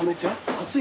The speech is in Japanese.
熱い？